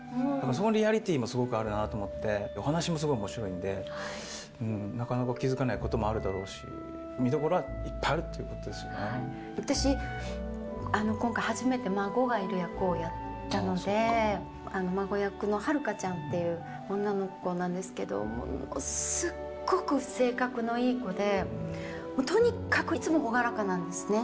そのリアリティーもすごくあるなと思って、お話もすごいおもしろいんで、なかなか気付かないこともあるだろうし、見どころはいっぱいある私、今回初めて孫がいる役をやったので、孫役のはるかちゃんっていう女の子なんですけれども、ものすごく性格のいい子で、もうとにかくいつも朗らかなんですね。